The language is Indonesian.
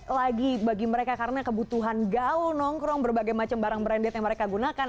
tapi apakah enggak sih kalau mereka menggunakan kebutuhan gaul nongkrong berbagai macam barang branded yang mereka gunakan